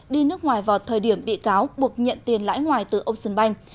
đi nước ngoài vào thời điểm bị cáo buộc nhận tiền lãi ngoài từ ocean bank